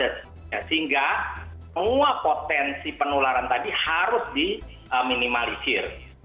sehingga semua potensi penularan tadi harus diminimalisir